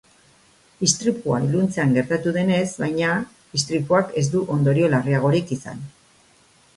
Istripua iluntzean gertatu denez, baina, istripuak ez du ondorio larriagorik izan.